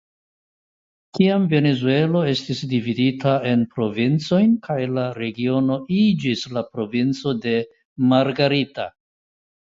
Kiam Venezuelo estis dividita en provincojn kaj la regiono iĝis la provinco de Margarita.